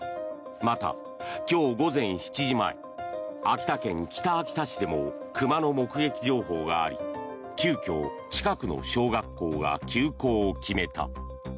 また、今日午前７時前秋田県北秋田市でも熊の目撃情報があり急きょ、近くの小学校が休校を決めた。